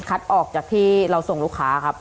ออกจากที่เราส่งลูกค้าครับ